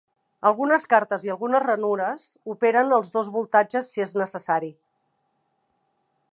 Algunes cartes i algunes ranures operen els dos voltatges si és necessari.